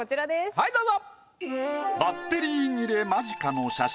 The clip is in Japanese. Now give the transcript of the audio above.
はいどうぞ！